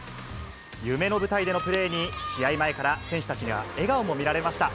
夢の舞台でのプレーに、試合前から選手たちには笑顔も見られました。